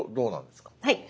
はい。